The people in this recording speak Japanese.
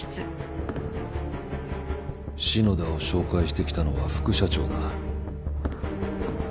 篠田を紹介してきたのは副社長だ。